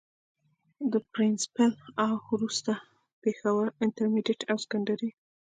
د پرنسپل او وروستو پيښورانټرميډيټ او سکنډري